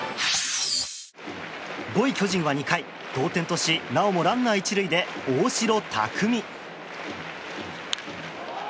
５位、巨人は２回、同点としなおもランナー１塁で大城卓三。